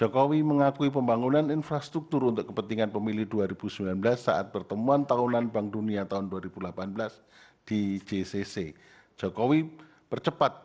cair lebih cepat